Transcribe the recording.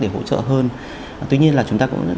để hỗ trợ hơn tuy nhiên là chúng ta